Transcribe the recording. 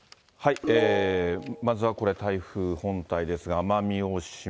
まずはこの台風本体ですが、奄美大島。